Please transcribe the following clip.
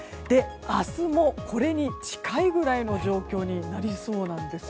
明日もこれに近いぐらいの状況になりそうなんです。